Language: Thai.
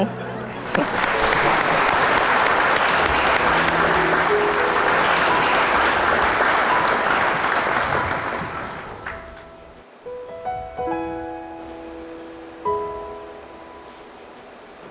ปรับเปลี่ยน